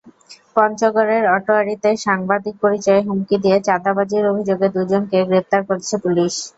পঞ্চগড়ের আটোয়ারীতে সাংবাদিক পরিচয়ে হুমকি দিয়ে চাঁদাবাজির অভিযোগে দুজনকে গ্রেপ্তার করেছে পুলিশ।